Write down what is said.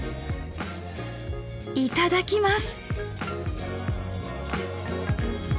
いただきます。